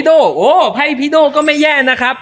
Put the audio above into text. โดโอ้ไพ่พี่โด่ก็ไม่แย่นะครับ